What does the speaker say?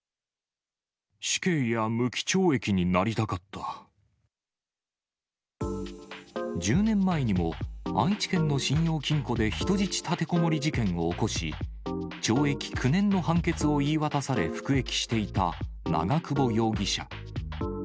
死刑や無期懲役になりたかっ１０年前にも、愛知県の信用金庫で人質立てこもり事件を起こし、懲役９年の判決を言い渡され、服役していた長久保容疑者。